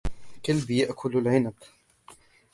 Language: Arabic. كلبي يأكل العنب.